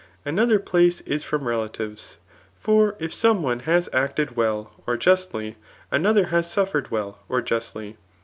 Another place is from relatives. For if some one has acted well or justly, another has suffered well or justly.